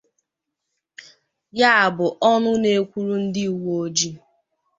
Ya bụ ọnụ na-ekwuru ndị uweojii